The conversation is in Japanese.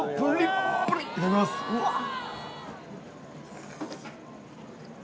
いただきますうわっ！